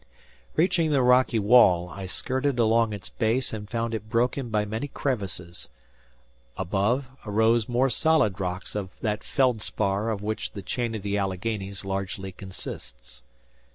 Reaching the rocky wall, I skirted along its base and found it broken by many crevices; above, arose more solid rocks of that feldspar of which the chain of the Alleghanies largely consists.